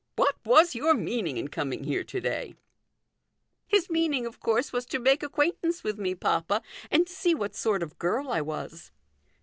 What was your meaning in coming here to day ?"" His meaning, of course, was to make ac quaintance with me, papa, and see what sort of girl I was."